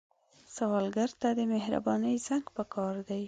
سوالګر ته د مهرباني زنګ پکار دی